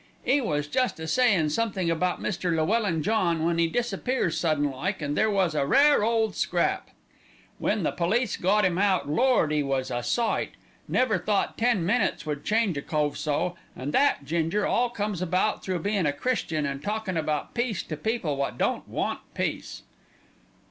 'E was jest a sayin' somethink about Mr. Llewellyn John, when 'e' disappears sudden like, and then there was a rare ole scrap. "When the police got 'im out, Lord, 'e was a sight! Never thought ten minutes could change a cove so, and that, Ginger, all comes about through being a Christian and talkin' about peace to people wot don't want peace."